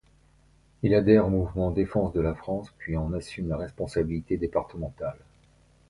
Il adhère au mouvement Défense de la France, puis en assume la responsabilité départementale.